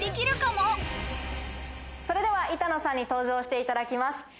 それでは板野さんに登場していただきます。